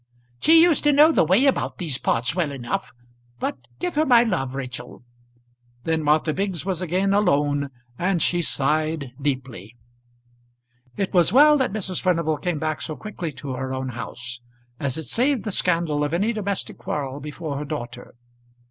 "She used to know the way about these parts well enough. But give her my love, Rachel." Then Martha Biggs was again alone, and she sighed deeply. It was well that Mrs. Furnival came back so quickly to her own house, as it saved the scandal of any domestic quarrel before her daughter.